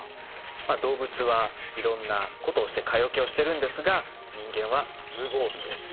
動物はいろんなことをして蚊よけをしてるんですが人間は無防備です。